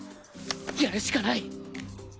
やるしかない！